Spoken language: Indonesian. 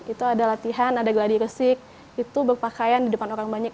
itu ada latihan ada geladi gresik itu berpakaian di depan orang banyak